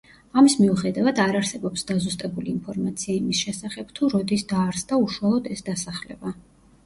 ამის მიუხედავად, არ არსებობს დაზუსტებული ინფორმაცია იმის შესახებ, თუ როდის დაარსდა უშუალოდ ეს დასახლება.